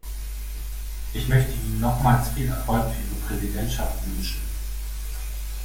Ich möchte Ihnen nochmals viel Erfolg für Ihre Präsidentschaft wünschen.